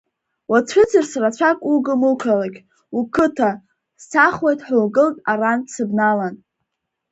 Уацәыӡырц рацәак угым уқалақь, уқыҭа, сцахуеит ҳәа угылт арантә сыбналан.